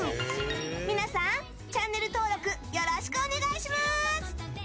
皆さん、チャンネル登録よろしくお願いします！